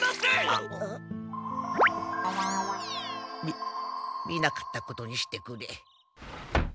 み見なかったことにしてくれ。